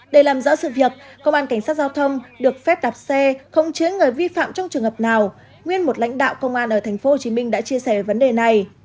để làm rõ sự việc công an tp hcm được phép đạp xe không chế người vi phạm trong trường hợp nào nguyên một lãnh đạo công an ở tp hcm đã chia sẻ về vấn đề này